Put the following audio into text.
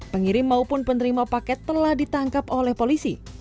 pengirim maupun penerima paket telah ditangkap oleh polisi